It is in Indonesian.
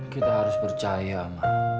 kita harus percaya ma